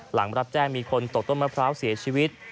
หลังรับแจ้งมีคนตกต้นมะพร้าวเสียชีวิต